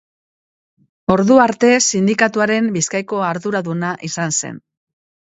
Ordu arte sindikatuaren Bizkaiko arduraduna izan zen.